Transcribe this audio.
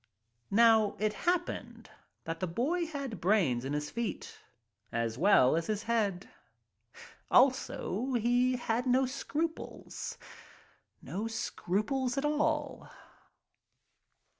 Now, it happened that the boy had brains in his feet as well as his head. Also he had no scruples. No scru ples, a tall.